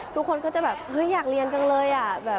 ทุกคนก็จะแบบเฮ้ยอยากเรียนจังเลย